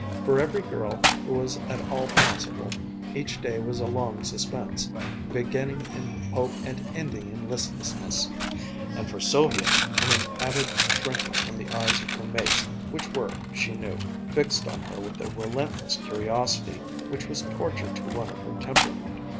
For every girl who was at all possible, each day was a long suspense, beginning in hope and ending in listlessness; and for Sylvia in an added shrinking from the eyes of her mates, which were, she knew, fixed on her with a relentless curiosity which was torture to one of her temperament.